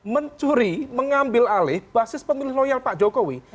mencuri mengambil alih basis pemilih loyal pak jokowi